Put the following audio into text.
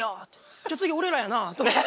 じゃあ次俺らやなって。